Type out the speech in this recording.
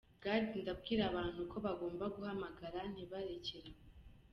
Gad: “ Nabwira abantu ko bagomba guhamagara, ntibarekere aho.